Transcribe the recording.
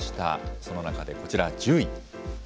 その中でこちら、１０位。